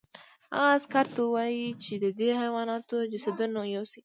هغه عسکر ته وویل چې د دې حیواناتو جسدونه یوسي